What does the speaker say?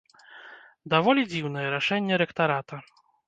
Даволі дзіўнае рашэнне рэктарата.